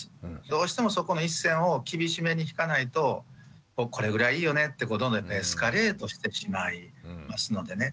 どうしてもそこの一線を厳しめに引かないとこれぐらいいいよねってどんどんエスカレートしてしまいますのでね。